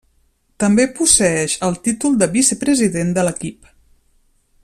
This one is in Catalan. També posseeix el títol de vicepresident de l'equip.